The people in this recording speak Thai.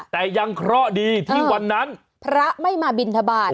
แต่ยังเคราะห์ดีที่วันนั้นพระไม่มาบินทบาท